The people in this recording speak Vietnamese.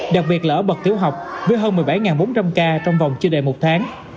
đặc biệt là ở bậc tiểu học với hơn một mươi bảy bốn trăm linh ca trong vòng chưa đầy một tháng